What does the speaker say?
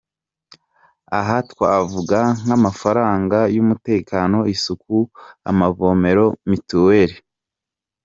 Aha twavuga nk’amafaranga y’umutekano, isuku, amavomero, mutuelle, nb.